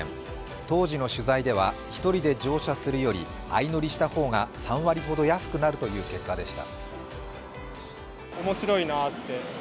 当時の取材では、１人で乗車するより相乗りした方が３割ほど安くなるという結果でした。